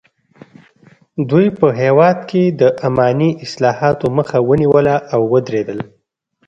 دوی په هېواد کې د اماني اصلاحاتو مخه ونیوله او ودریدل.